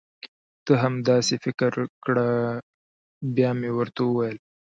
ته هم دا سي فکر خپل کړه بیا مي ورته وویل: